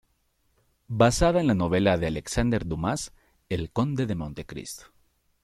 Basada en la novela de Alexandre Dumas "El conde de Montecristo".